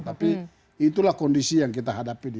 tapi itulah kondisi yang kita hadapi di